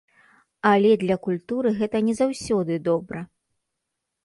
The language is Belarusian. Але для культуры гэта не заўсёды добра.